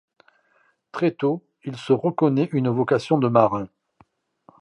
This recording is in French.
Très tôt il se reconnaît une vocation de marin.